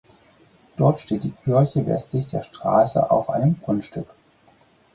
Dort steht die Kirche westlich der Straße auf einem Grundstück.